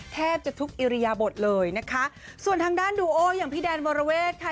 แทบจะทุกอิริยบทเลยนะคะส่วนทางด้านดูโออย่างพี่แดนวรเวทค่ะ